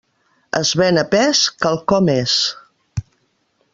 Es ven a pes, quelcom és.